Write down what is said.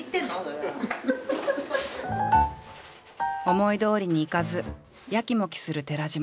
思いどおりにいかずやきもきする寺島。